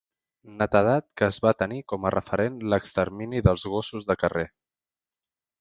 Netedat que es va tenir com a referent l'extermini dels gossos de carrer.